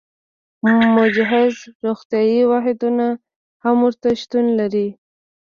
مجهز روغتیايي واحدونه هم ورته شتون لري.